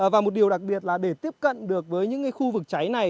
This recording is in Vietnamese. và một điều đặc biệt là để tiếp cận được với những khu vực cháy này